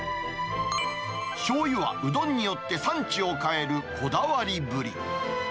しょうゆはうどんによって産地を変えるこだわりぶり。